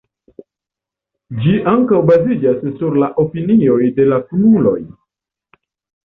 Ĝi ankaŭ baziĝas sur la opinioj de la kunuloj.